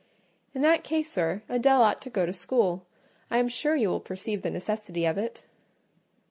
"In that case, sir, Adèle ought to go to school: I am sure you will perceive the necessity of it."